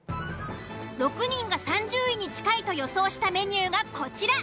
６人が３０位に近いと予想したメニューがこちら。